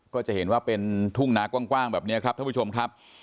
ก็จะเห็นว่าเป็นทุ่งนากว้างแบบนี้ครับท่านผู้ชมครับ